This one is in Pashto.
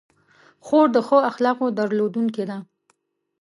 خور د ښو اخلاقو درلودونکې ده.